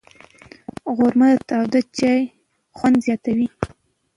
غرمه د تاوده چای خوند زیاتوي